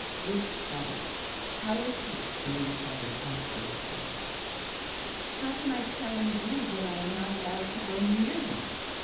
Ruth sighed. "How is he?" she inquired, after a pause. "How can I tell indeed, when I'm not allowed to go near him?